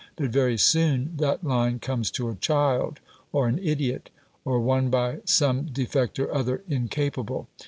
But very soon that line comes to a child or an idiot, or one by some defect or other incapable.